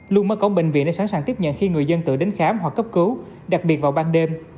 luôn mở cổng bệnh viện để sẵn sàng tiếp nhận khi người dân tự đến khám hoặc cấp cứu đặc biệt vào ban đêm